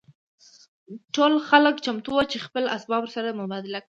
ټول خلک چمتو وو چې خپل اسباب ورسره مبادله کړي